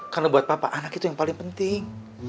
karena buat papa anak itu yang paling penting